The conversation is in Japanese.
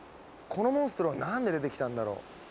このモンストロはなんで出てきたんだろう？